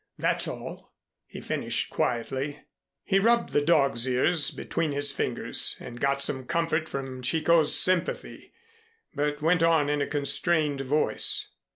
That's all," he finished quietly. He rubbed the dog's ears between his fingers and got some comfort from Chicot's sympathy, but went on in a constrained voice.